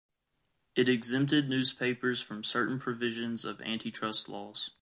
It exempted newspapers from certain provisions of antitrust laws.